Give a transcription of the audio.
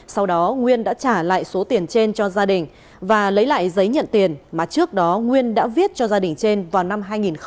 sau đó nguyên đã trả lại số tiền trên cho gia đình và lấy lại giấy nhận tiền mà trước đó nguyên đã viết cho gia đình trên vào năm hai nghìn một mươi